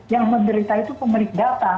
yang menjeritai itu pemerik data